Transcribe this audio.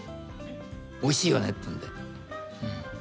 おいしいよねっていうんで。